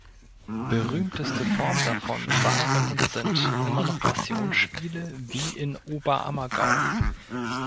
Berühmteste Form davon waren und sind immer noch Passionsspiele wie in Oberammergau.